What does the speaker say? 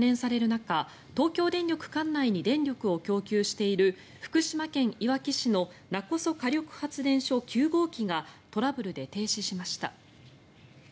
中東京電力管内に電力を供給している福島県いわき市の勿来火力発電所９号機がトラブルで停止しました。